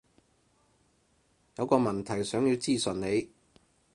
有個問題想要諮詢你